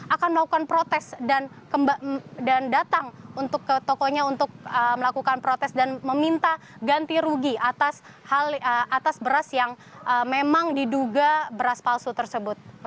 akan melakukan protes dan datang untuk ke tokonya untuk melakukan protes dan meminta ganti rugi atas beras yang memang diduga beras palsu tersebut